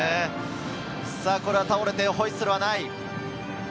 倒れて、ホイッスルはない。